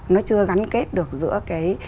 nó chưa gắn kết được giữa cái